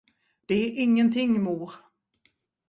Det är ingenting, mor.